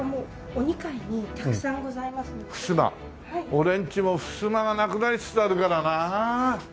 俺ん家もふすまがなくなりつつあるからな。